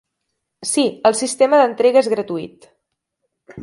Sí, el sistema d'entrega és gratuït.